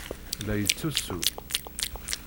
La yettusu.